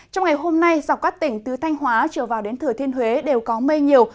trong ngày hôm nay dọc các tỉnh từ thanh hóa trở vào đến thừa thiên huế đều có mây nhiều